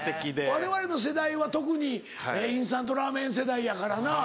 我々の世代は特にインスタントラーメン世代やからな。